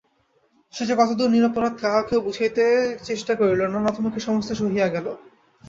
সে যে কতদূর নিরপরাধ কাহাকেও বুঝাইতে চেষ্টা করিল না, নতমুখে সমস্ত সহিয়া গেল।